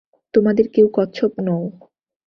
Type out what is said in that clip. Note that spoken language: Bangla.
তোমাদের কেউ কচ্ছপ নও!